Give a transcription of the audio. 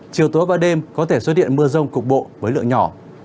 chiều tối và đêm có thể xuất hiện mưa rông cục bộ với lượng nhỏ